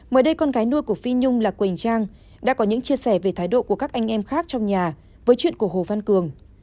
mới đây con gái nuôi của phi nhung là quỳnh trang đã có những chia sẻ về thái độ của các anh em khác trong nhà với chuyện của hồ văn cường